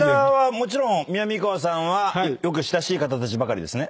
もちろんみなみかわさんは親しい方たちばかりですね？